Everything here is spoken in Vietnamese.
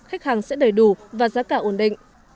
khách hàng sẽ đầy đủ và giá cả ổn định